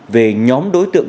về nhóm đối tượng